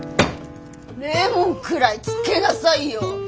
レモンくらいつけなさいよ。